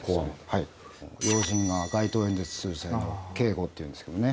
はい要人が街頭演説する際の警護っていうんですけどね